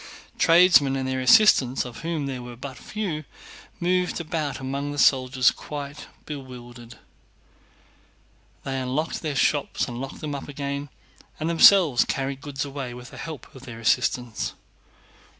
Tradesmen and their assistants (of whom there were but few) moved about among the soldiers quite bewildered. They unlocked their shops and locked them up again, and themselves carried goods away with the help of their assistants.